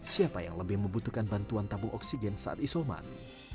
siapa yang lebih membutuhkan bantuan tabung oksigen saat isoman